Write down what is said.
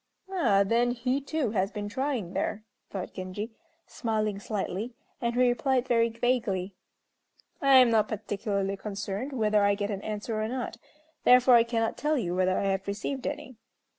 "Ah, then, he too has been trying there," thought Genji, smiling slightly, and he replied very vaguely, "I am not particularly concerned whether I get an answer or not, therefore I cannot tell you whether I have received any."